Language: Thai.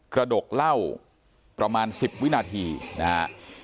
กระดกเล่าประมาณ๑๐วินาทีนะครับ